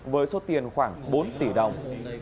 với số tiền khoảng bốn tỷ đồng